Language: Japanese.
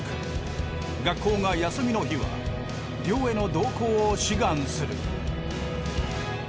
学校が休みの日は漁への同行を志願する。